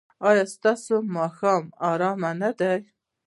ایا ستاسو ماښام ارام نه دی؟